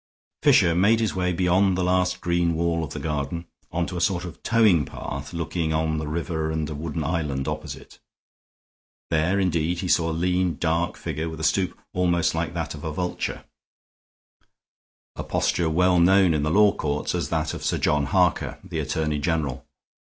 Fisher made his way beyond the last green wall of the garden on to a sort of towing path looking on the river and a wooden island opposite. There, indeed, he saw a lean, dark figure with a stoop almost like that of a vulture, a posture well known in the law courts as that of Sir John Harker, the Attorney General.